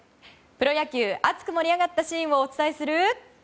プロ野球熱く盛り上がったシーンをお伝えする。